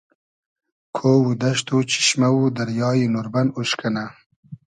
کۉ و دئشت و چیشمۂ و دریای نوربئن اوش کئنۂ